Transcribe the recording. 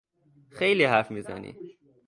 خیلی حرف میزنی!